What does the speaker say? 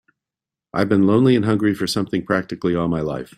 I've been lonely and hungry for something practically all my life.